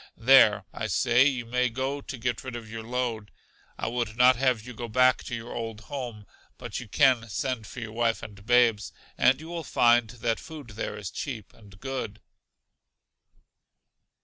There, I say, you may go to get rid of your load. I would not have you go back to your old home, but you can send for your wife and babes, and you will find that food there is cheap and good.